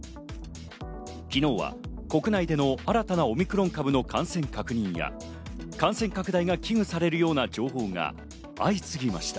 昨日は国内での新たなオミクロン株の感染確認や感染拡大が危惧されるような情報が相次ぎました。